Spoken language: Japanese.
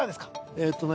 えっとね